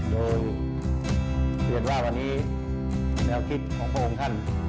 โดยเกิดว่าวันนี้แนวคิดของพระองค์ท่าน